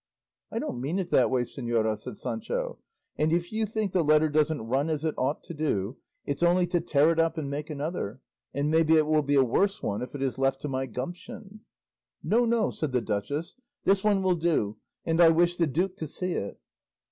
"I don't mean it that way, señora," said Sancho; "and if you think the letter doesn't run as it ought to do, it's only to tear it up and make another; and maybe it will be a worse one if it is left to my gumption." "No, no," said the duchess, "this one will do, and I wish the duke to see it."